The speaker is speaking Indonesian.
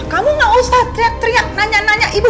kamu gak usah teriak teriak nanya nanya ibu